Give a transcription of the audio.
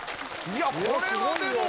いやこれはでも！